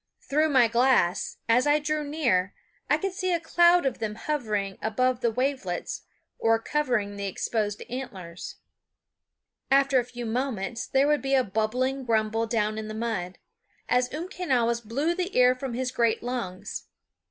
Through my glass, as I drew near, I could see a cloud of them hovering above the wavelets, or covering the exposed antlers. After a few moments there would be a bubbling grumble down in the mud, as Umquenawis blew the air from his great lungs.